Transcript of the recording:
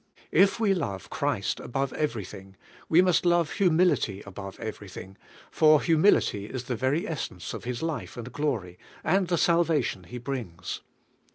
If we love Christ above everything, we must love humility above everything, for humility is the very essence of His life and glory, and the salvation Fie brings.